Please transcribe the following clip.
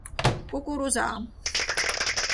კუკურუზაა